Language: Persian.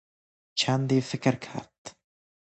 چندی فکر کرد.